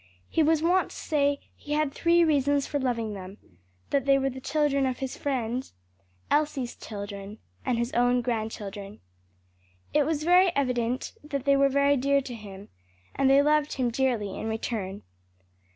He was wont to say "he had three reasons for loving them that they were the children of his friend, Elsie's children, and his own grandchildren." It was very evident that they were very dear to him, and they loved him dearly in return.